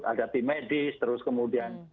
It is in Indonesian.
ada tim medis terus kemudian